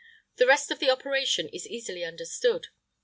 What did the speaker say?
[IX 67] The rest of the operation is easily understood.